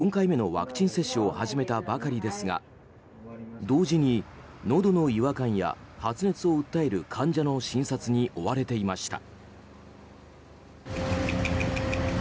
出雲市内のこちらの病院では今月１日から４回目のワクチン接種を始めたばかりですが同時に、のどの違和感や発熱を訴える患者の診察に追われていました。